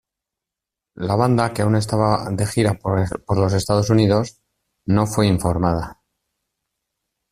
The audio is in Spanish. La banda, que aún estaba de gira por los Estados Unidos, no fue informada.